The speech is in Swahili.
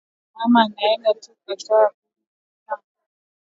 Mama anenda ku kata nkuni ku mashamba